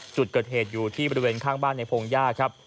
จุดเกิดเหตุอยู่ที่บริเวณข้างบ้านในพงหญ้าครับ